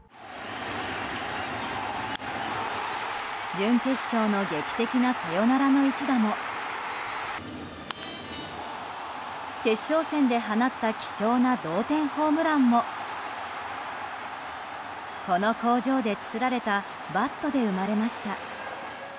準決勝の劇的なサヨナラの一打も決勝戦で放った貴重な同点ホームランもこの工場で作られたバットで生まれました。